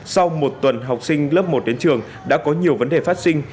sau một tuần học sinh lớp một đến trường đã có nhiều vấn đề phát sinh